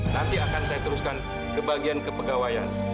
nanti akan saya teruskan ke bagian kepegawaian